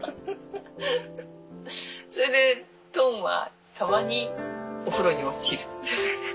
それでトンはたまにお風呂に落ちる。